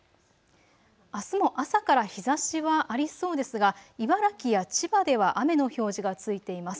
あすも朝から日ざしはありそうですが茨城や千葉では雨の表示がついています。